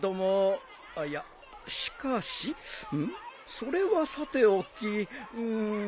それはさておきうん。